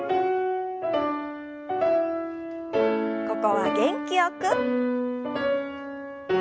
ここは元気よく。